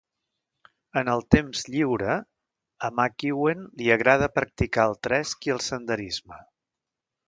En el temps lliure, a McEwen li agrada practicar el tresc i el senderisme.